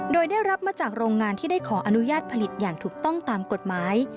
โดยได้รับมาจากโรงงานที่ได้ขออนุญาตผลิตอย่างถูกต้องตามกฎหมาย